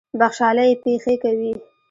بخْشالۍ یې پېښې کوي.